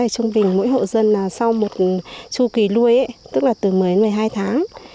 trung bình mỗi hộ dân sau một chu kỳ nuôi tức là từ mới một mươi hai tháng